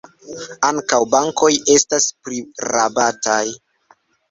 Ankaŭ bankoj estas prirabataj.